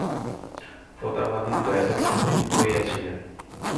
প্রতাপাদিত্য এত ক্ষণ চুপ করিয়া ছিলেন।